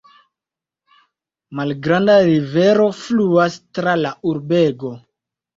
Malgranda rivero fluas tra la urbego.